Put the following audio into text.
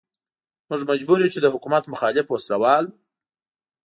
موږ مجبور يو چې د حکومت مخالف وسله وال.